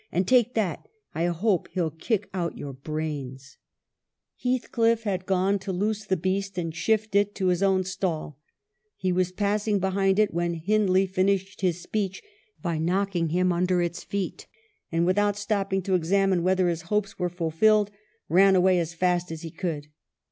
And take that ; I hope he'll kick out your brains 1 ' 'WUTH BRING HEIGHTS.' 237 " Heathcliff had gone to loose the beast and shift it to his own staH ; he was passing behind it when Hindley finished his speech by knocking him under its feet, and, without stopping to ex amine whether his hopes were fulfilled, ran away as fast as he could.